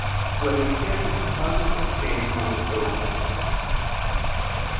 1] Whether Sin Causes a Stain on the Soul?